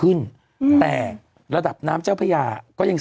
ศูนย์อุตุนิยมวิทยาภาคใต้ฝั่งตะวันอ่อค่ะ